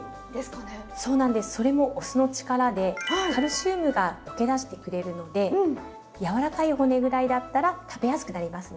カルシウムが溶け出してくれるのでやわらかい骨ぐらいだったら食べやすくなりますね。